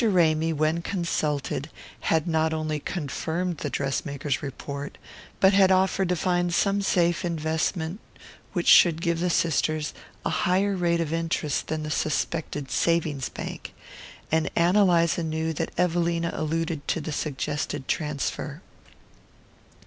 Ramy, when consulted, had not only confirmed the dress maker's report, but had offered to find some safe investment which should give the sisters a higher rate of interest than the suspected savings bank; and Ann Eliza knew that Evelina alluded to the suggested transfer.